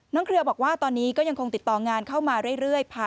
น้องครีว่าตอนนี้ก็ยังคงติดต่องานเข้ามาเรื่อยผ่านพี่สาว